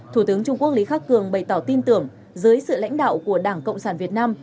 thủ tướng trung quốc lý khắc cường bày tỏ tin tưởng dưới sự lãnh đạo của đảng cộng sản việt nam